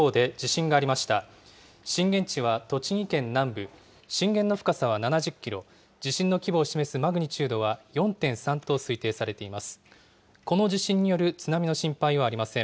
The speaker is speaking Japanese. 震源地は栃木県南部、震源の深さは７０キロ、地震の規模を示すマグニチュードは４．３と推定されています。